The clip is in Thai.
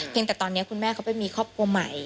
แต่ตอนนี้คุณแม่เขาไปมีครอบครัวใหม่